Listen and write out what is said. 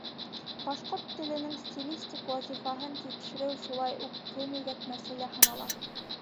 Башҡорт теленең стилистик вазифаһын тикшереү шулай уҡ көнүҙәк мәсьәлә һанала.